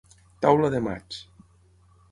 Taula de maig.